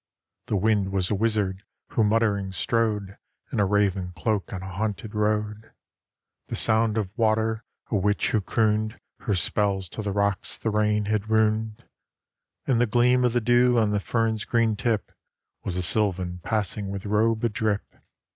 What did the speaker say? The Wind was a wizard who muttering strode In a raven cloak on a haunted road. The Sound of Water, a witch who crooned Her spells to the rocks the rain had runed. And the Gleam of the Dew on the fern's green tip Was a sylvan passing with robe a drip.